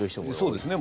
そうですね。